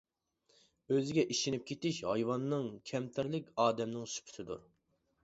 ئۆزىگە ئىشىنىپ كېتىش ھايۋاننىڭ، كەمتەرلىك ئادەمنىڭ سۈپىتىدۇر.